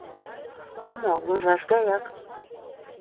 — А мо, ложаш гаяк.